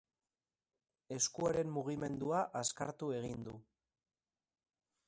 Eskuaren mugimendua azkartu egin du.